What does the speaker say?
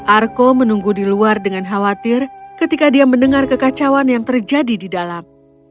arko menunggu di luar dengan khawatir ketika dia mendengar kekacauan yang terjadi di dalam